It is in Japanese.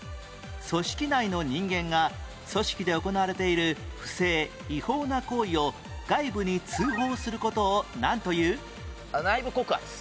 組織内の人間が組織で行われている不正・違法な行為を外部に通報する事をなんという？内部告発。